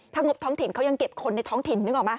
ถ้างบท้องถิ่นเขายังเก็บคนในท้องถิ่นนึกออกไหม